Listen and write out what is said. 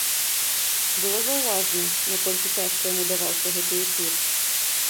Было заўважна, наколькі цяжка яму даваўся гэты эфір.